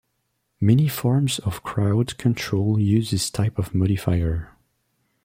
Many forms of crowd control use this type of modifier.